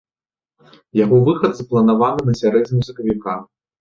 Яго выхад запланаваны на сярэдзіну сакавіка.